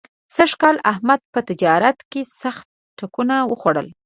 سږ کال احمد په تجارت کې سخت ټکونه وخوړل.